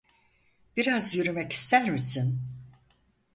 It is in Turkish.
Biraz yürümek ister misin?